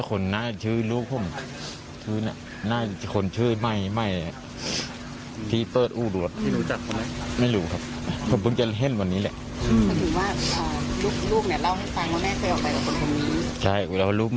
คงจะเป็นเช่นนั้นนะครับ